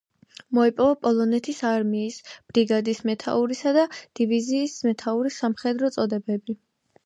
მოიპოვა პოლონეთის არმიის ბრიგადის მეთაურისა და დივიზიის მეთაურის სამხედრო წოდებები.